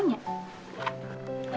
nanya aja deh